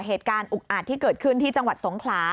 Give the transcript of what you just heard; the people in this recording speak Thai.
เหตุการณ์อุกอาจที่เกิดขึ้นที่จังหวัดสงขลา